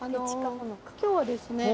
今日はですね